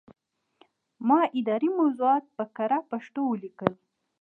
ما اداري موضوعات په کره پښتو ولیکل.